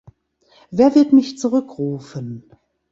Wer wird mich zurückrufen?